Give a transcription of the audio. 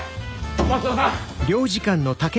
松戸さん！